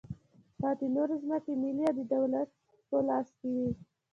پاتې نورې ځمکې ملي یا د دولت په لاس کې وې.